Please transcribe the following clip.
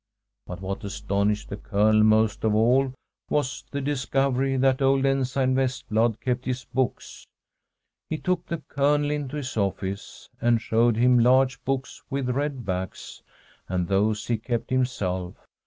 But what astonished the Colonel most of all was the discovery that old Ensign Vestblad kept his books. He took the Colonel into his office and showed him large books with red backs. And those he kept himself.